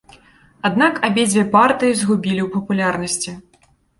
Аднак абедзве партыі згубілі ў папулярнасці.